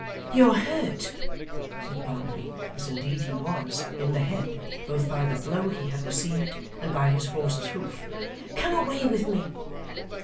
'You are hurt,' said Barnaby as indeed he was, in the head, both by the blow he had received, and by his horse's hoof. 'Come away with me.